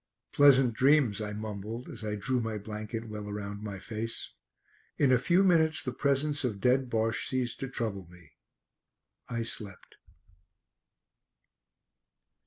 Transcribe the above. "Pleasant dreams," I mumbled as I drew my blanket well around my face; in a few minutes the presence of dead Bosche ceased to trouble me. I slept.